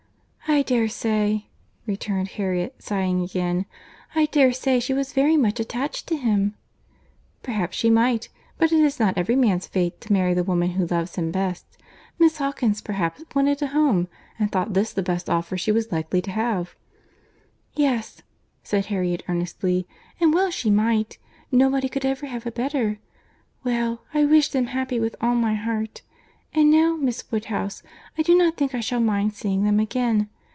"I dare say," returned Harriet, sighing again, "I dare say she was very much attached to him." "Perhaps she might; but it is not every man's fate to marry the woman who loves him best. Miss Hawkins perhaps wanted a home, and thought this the best offer she was likely to have." "Yes," said Harriet earnestly, "and well she might, nobody could ever have a better. Well, I wish them happy with all my heart. And now, Miss Woodhouse, I do not think I shall mind seeing them again.